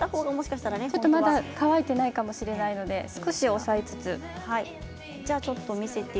まだ乾いていないかもしれないので少し押さえつつ。